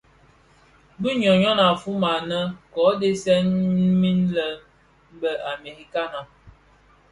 Bi ñyon yon a fyoma anèn Kō dhesèè min lè be amerikana,